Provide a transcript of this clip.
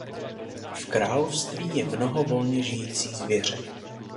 V království je mnoho volně žijící zvěře.